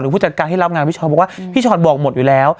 ผู้จัดการที่รับงานพี่ชอตบอกว่าพี่ชอตบอกหมดอยู่แล้ว